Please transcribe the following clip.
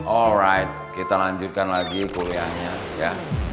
alright kita lanjutkan lagi kuliahnya ya